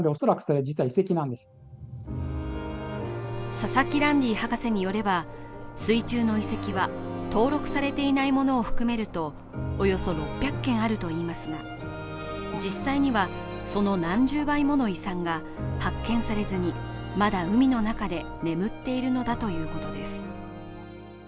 佐々木ランディ博士によれば水中の遺跡は登録されていないものを含めるとおよそ６００件あるといいますが、実際にはその何十倍もの遺産が発見されずにまだ海の中で眠っているのだということです。